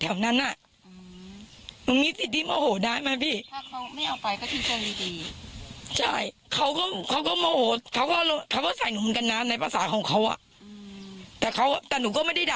เนอะมันเป็นเข่งคลักตี